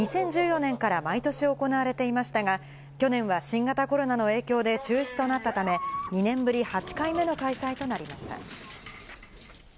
２０１４年から毎年行われていましたが、去年は新型コロナの影響で中止となったため、２年ぶり８回目の開催となりました。